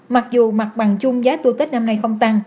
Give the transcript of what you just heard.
mặc dù mặt bằng chung giá tour tết năm nay không tăng